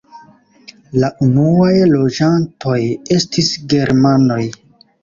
La unuaj loĝantoj estis germanoj.